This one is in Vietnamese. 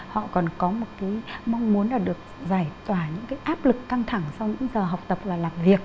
họ còn có một cái mong muốn là được giải tỏa những cái áp lực căng thẳng sau những giờ học tập và làm việc